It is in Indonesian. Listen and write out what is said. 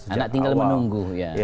anak tinggal menunggu